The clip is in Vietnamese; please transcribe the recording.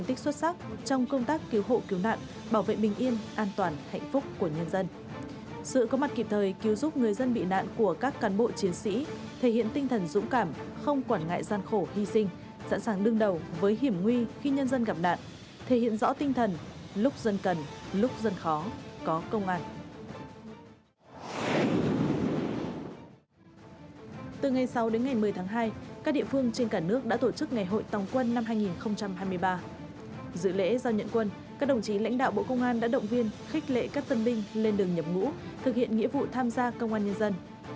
dự lễ do nhận quân các đồng chí lãnh đạo bộ công an đã động viên khích lệ các tân binh lên đường nhập ngũ thực hiện nghĩa vụ tham gia công an nhân dân